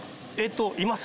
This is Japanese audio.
います。